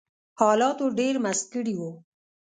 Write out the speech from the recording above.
حالاتو ډېر مست کړي وو